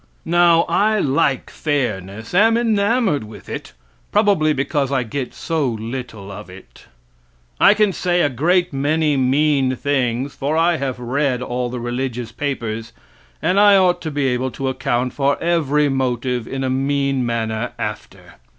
Now, I like fairness, am enamored with it, probably because I get so little of it. I can say a great many mean things, for I have read all the religious papers, and I ought to be able to account for every motive in a mean manner after.